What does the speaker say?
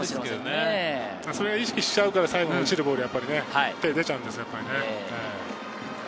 それを意識しちゃうから、最後落ちるボールに手が出ちゃうんですよね。